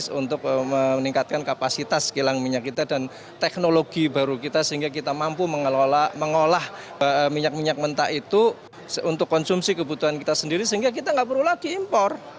untuk meningkatkan kapasitas kilang minyak kita dan teknologi baru kita sehingga kita mampu mengolah minyak minyak mentah itu untuk konsumsi kebutuhan kita sendiri sehingga kita nggak perlu lagi impor